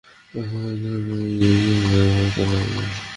তারপর মূর্তিটির দিকে এগিয়ে গিয়ে তা ভাঙ্গতে লাগলেন।